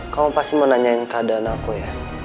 kamu pasti mau nanyain keadaan aku ya